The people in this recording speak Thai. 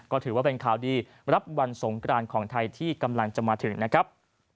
ก็ถือว่าเป็นข่าวดีรับวันสงกรานของไทยที่กำลังจะมาถึงนะครับ